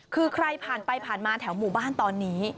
คือใครผ่านไปผ่านมาแถวหมู่บ้านตอนนี้